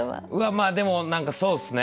まあでもそうですね